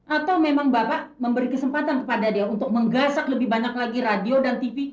atau memang bapak memberi kesempatan kepada dia untuk menggasak lebih banyak lagi radio dan tv